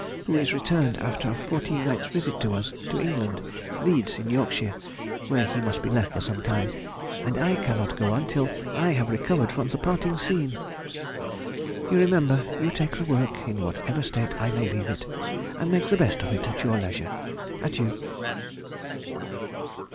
who is returned after a fourteen nights' visit to us, to England, Leeds in Yorkshire (where he must be left for some time), and I cannot go on till I have recovered from the parting scene. You remember, you take the work in whatever state I may leave it, and make the best of it at your leisure. Adieu.